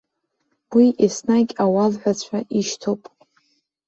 Уи еснагь ауалҳәацәа ишьҭоуп.